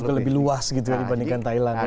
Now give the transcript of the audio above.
juga lebih luas gitu dibandingkan thailand ya